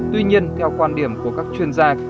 tuy nhiên theo quan điểm của các chuyên gia